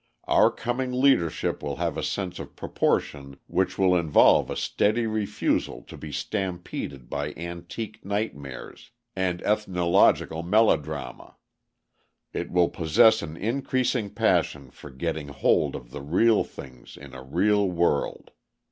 Our coming leadership will have a sense of proportion which will involve a steady refusal to be stampeded by antique nightmares and ethnological melodrama. It will possess an increasing passion for getting hold of the real things in a real world.